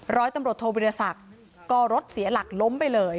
ร้อยตำรวจโทวิทยาศักดิ์ก็รถเสียหลักล้มไปเลย